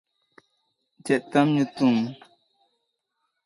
Can't you see that I'm much sweeter?